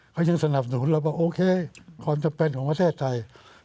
เขายังสนับสนุนเราบอกโอเคความจำเป็นของประเทศไทย